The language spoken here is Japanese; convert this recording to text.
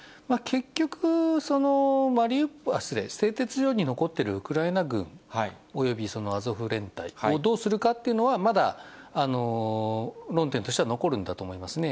結局、製鉄所に残っているウクライナ軍、およびアゾフ連隊をどうするかっていうのは、まだ論点としては残るんだと思いますね。